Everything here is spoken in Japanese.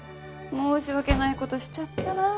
申し訳ない事しちゃったなあ。